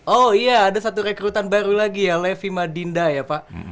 oh iya ada satu rekrutan baru lagi ya levi madinda ya pak